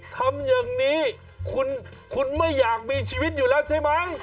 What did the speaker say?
ทำอย่างนี้คุณไม่อยากมีชีวิตอยู่แล้วใช่ไหม